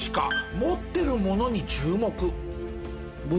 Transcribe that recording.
持ってるものに注目。